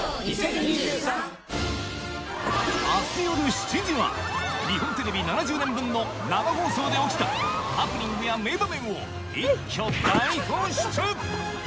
あす夜７時は日本テレビ７０年分の生放送で起きたハプニングや名場面を一挙大放出！